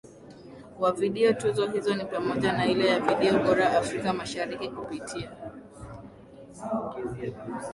wa video Tuzo hizo ni pamoja na ile ya Video Bora Afrika Mashariki kupitia